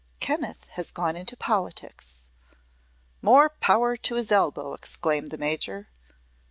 Kenneth has gone into politics!" "More power to his elbow!" exclaimed the Major.